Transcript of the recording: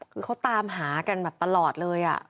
คือเขาตามหากันแบบตลอดเลย